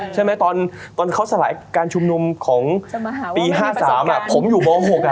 ใช่ไหมตอนเขาสลายการชุมนุมของปี๕๓ผมอยู่ม๖